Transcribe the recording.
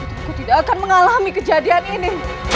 aku tidak akan mengalami kejadian ini